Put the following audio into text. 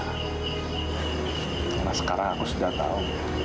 karena sekarang aku sudah tahu